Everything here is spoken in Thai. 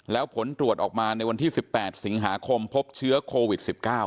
แล้วผลตรวจออกมาในวันที่๑๘สิงหาคมพบเชื้อโควิด๑๙